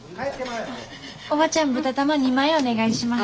おばちゃん豚玉２枚お願いします。